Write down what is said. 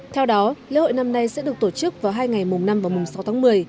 theo đó lễ hội năm nay sẽ được tổ chức vào hai ngày mùng năm và mùng sáu tháng một mươi